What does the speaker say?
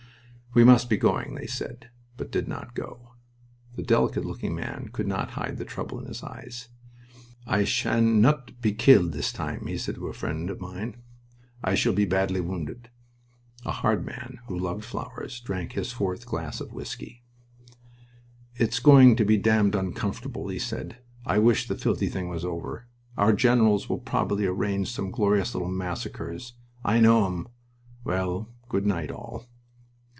"We must be going," they said, but did not go. The delicate looking man could not hide the trouble in his eyes. "I sha'n't be killed this time," he said to a friend of mine. "I shall be badly wounded." The hard man, who loved flowers, drank his fourth glass of whisky. "It's going to be damned uncomfortable," he said. "I wish the filthy thing were over. Our generals will probably arrange some glorious little massacres. I know 'em!... Well, good night, all."